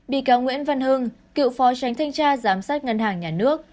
bị cáo nguyễn văn hưng cựu phó tránh thanh tra giám sát ngân hàng nhà nước